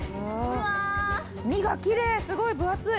身がきれいすごい分厚い。